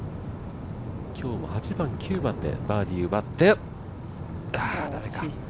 今日は８番、９番でバーディーを奪ってだめか。